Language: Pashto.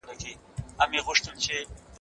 ولي سهار وختي پاڅېدل د ذهن لپاره ګټور دي؟